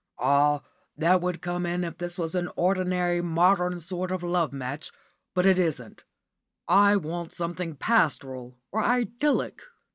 "Ah, that would come in if this was an ordinary, modern sort of love match, but it isn't. I want something pastoral or idyllic.